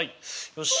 よし。